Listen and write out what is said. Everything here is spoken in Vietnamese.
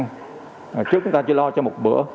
trước chúng ta chỉ lo cho một bữa